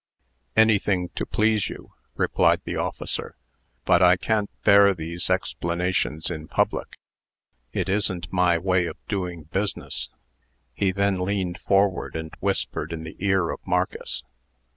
"Anything to please you," replied the officer; "but I can't bear these explanations in public. It isn't my way of doing business." He then leaned forward, and whispered in the ear of Marcus.